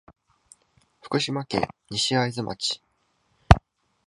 福島県西会津町